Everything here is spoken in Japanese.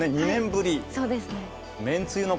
２年ぶり。